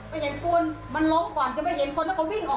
ไปเห็นคุณไปเห็นคุณมันล้มกว่าจะไปเห็นคน